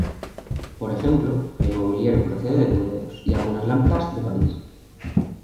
Por ejemplo, el mobiliario procede de Burdeos y algunas lámparas de París.